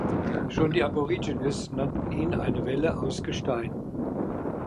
Schon die Aborigines nannten ihn eine Welle aus Gestein.